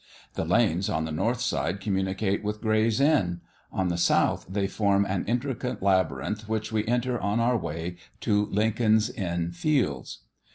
The lanes on the north side communicate with Gray's Inn; on the south, they form an intricate labyrinth, which we enter on our way to Lincoln's Inn Fields.